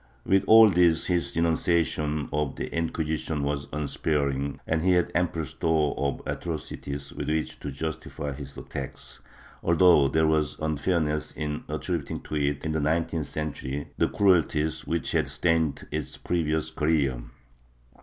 ^ With all this his denunciation of the Inquisition was unsparing, and he had ample store of atrocities with which to justify his attacks, although there was unfairness in attributing to it, in the nineteenth century, the cruelties which had stained its previous career.